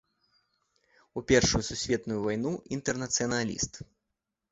У першую сусветную вайну інтэрнацыяналіст.